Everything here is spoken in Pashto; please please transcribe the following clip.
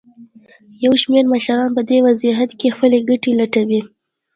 یو شمېر مشران په دې وضعیت کې خپلې ګټې لټوي.